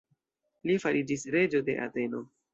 Li fariĝis reĝo de Ateno.